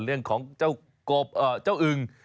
เรื่องของเจ้าอึง